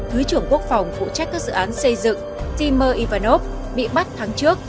thứ trưởng quốc phòng phụ trách các dự án xây dựng timur ivanov bị bắt tháng trước